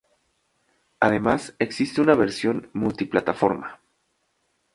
Además, existe una versión multiplataforma.